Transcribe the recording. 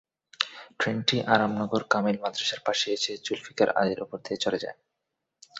ট্রেনটি আরামনগর কামিল মাদ্রাসার পাশে এলে জুলফিকার আলীর ওপর দিয়ে চলে যায়।